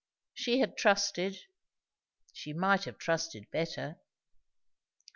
She had trusted; she might have trusted better!